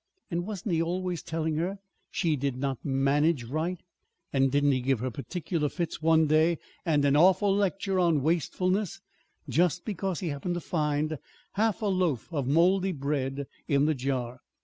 And wasn't he always telling her she did not manage right? And didn't he give her particular fits one day and an awful lecture on wastefulness, just because he happened to find half a loaf of mouldy bread in the jar?